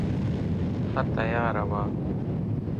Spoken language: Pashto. ښه تیاره وه.